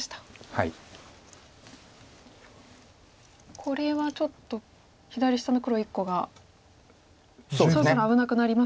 これはちょっと左下の黒１個がそろそろ危なくなりますか？